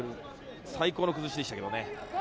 最高の崩しでした。